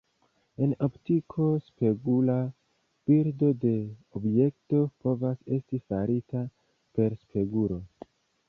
En optiko, spegula bildo de objekto povas esti farita per spegulo.